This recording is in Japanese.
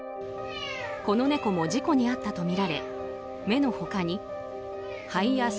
この猫も事故に遭ったとみられ